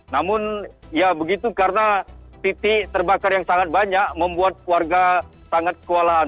namun ya begitu karena titik terbakar yang sangat banyak membuat warga sangat kewalahan